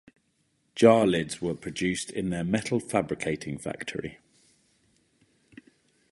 Jar lids were produced in their metal fabricating factory.